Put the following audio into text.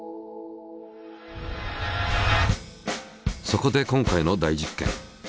そこで今回の大実験。